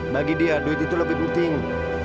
bagi dia duit itu lebih penting